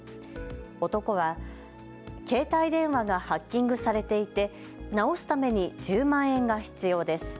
男は携帯電話がハッキングされていて直すために１０万円が必要です。